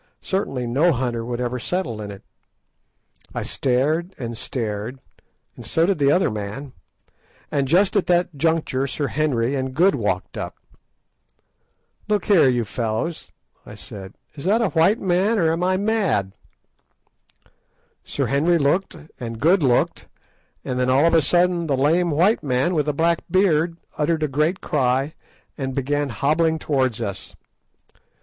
Certainly no hunter would ever settle in it. I stared and stared, and so did the other man, and just at that juncture Sir Henry and Good walked up. "Look here, you fellows," I said, "is that a white man, or am I mad?" Sir Henry looked, and Good looked, and then all of a sudden the lame white man with a black beard uttered a great cry, and began hobbling towards us.